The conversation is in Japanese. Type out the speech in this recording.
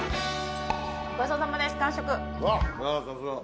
ごちそうさまです完食。